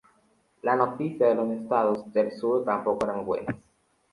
Las noticias de los Estados del sur tampoco eran buenas.